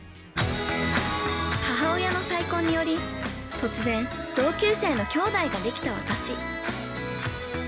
◆母親の再婚により突然同級生のきょうだいができた私。